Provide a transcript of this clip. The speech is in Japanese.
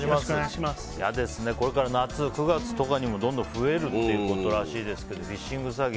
嫌ですね、これから夏９月とかにもどんどん増えるっていうことらしいですけどフィッシング詐欺。